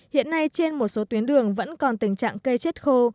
hiện nay trên một số tuyến đường vẫn còn tình trạng cây chết khô